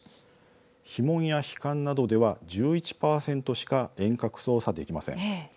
樋門や樋管などでは１１％しか遠隔操作できません。